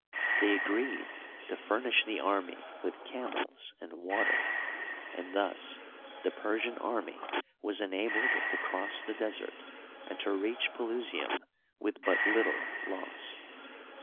They agreed to furnish the army with camels and water, and thus the Persian army was enabled to cross the desert and to reach Pelu sium with but little loss.